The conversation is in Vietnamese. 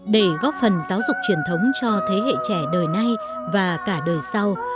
để góp phần giáo dục truyền thống cho thế hệ trẻ đời nay và cả đời sau